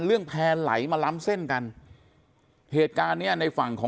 แพร่ไหลมาล้ำเส้นกันเหตุการณ์เนี้ยในฝั่งของ